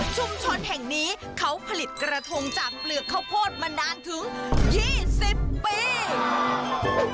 ชุมชนแห่งนี้เขาผลิตกระทงจากเปลือกข้าวโพดมานานถึง๒๐ปี